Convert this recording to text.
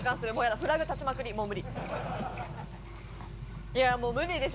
フラグ立ちまくり、もう無理でしょ。